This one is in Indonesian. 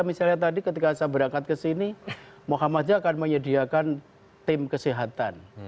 misalnya tadi ketika saya berangkat ke sini muhammadiyah akan menyediakan tim kesehatan